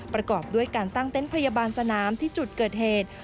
ประกอบด้วยการตั้งเต็นต์พยาบาลสนามที่จุดเกิดเหตุ